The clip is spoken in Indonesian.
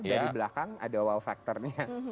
dari belakang ada wow factornya